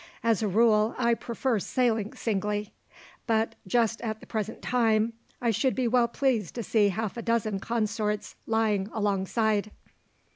As a rule, I prefer sailing singly; but just at the present time I should be well pleased to see half a dozen consorts lying alongside."